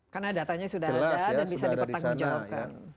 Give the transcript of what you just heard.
karena datanya sudah ada dan bisa dipertanggung jawabkan